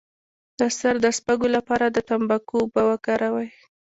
د سر د سپږو لپاره د تنباکو اوبه وکاروئ